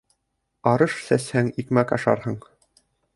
Арыш сәсһәң, икмәк ашарһың.